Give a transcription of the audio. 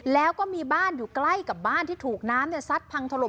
แล้วก็มีบ้านอยู่ใกล้กับบ้านที่ถูกน้ำซัดพังถล่ม